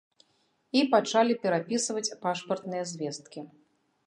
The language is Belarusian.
І пачалі перапісваць пашпартныя звесткі.